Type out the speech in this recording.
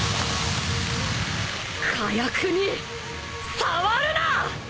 火薬に触るな！